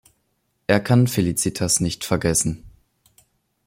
Er kann Felicitas nicht vergessen.